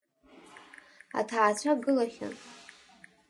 Аҭаацәа гылахьан.